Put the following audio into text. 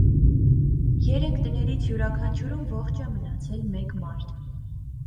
Երեք տներից յուրաքանչյուրում ողջ է մնացել մեկ մարդ։